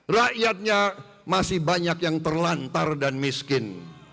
rakyatnya masih banyak yang terlantar dan miskin